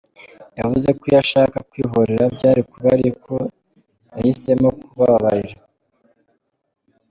Yavuze ko iyo ashaka kwihorera byari kuba ariko yahisemo kubabarira.